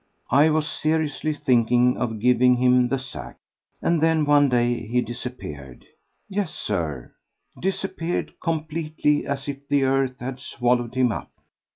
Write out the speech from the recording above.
I was seriously thinking of giving him the sack. And then one day he disappeared! Yes, Sir, disappeared completely as if the earth had swallowed him up.